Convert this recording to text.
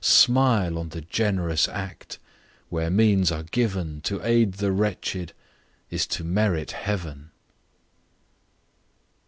Smile on the generous act! where means are given, To aid the wretched is to merit heaven.